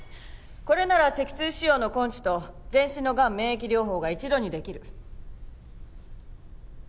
これなら脊椎腫瘍の根治と全身のがん免疫療法が一度に出来る。